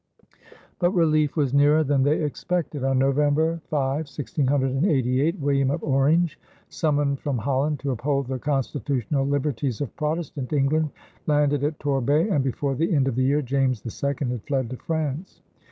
But relief was nearer than they expected. On November 5, 1688, William of Orange, summoned from Holland to uphold the constitutional liberties of Protestant England, landed at Torbay, and before the end of the year James II had fled to France.